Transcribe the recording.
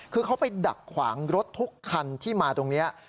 คือเขาไปดักขวางรถทุกคันที่มาตรงนี้